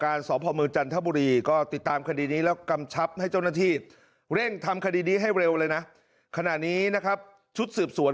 อ้าเราบอกให้ตะมาจ่ายค้าน้ำแข็งให้ป้าเค้าด้วย